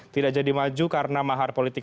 tidak jadi maju karena mahar politik